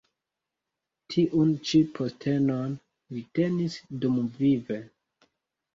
Tiun ĉi postenon li tenis dumvive.